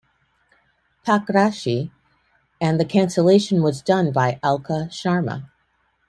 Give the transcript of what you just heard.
Pakrashi, and the cancellation was done by Alka Sharma.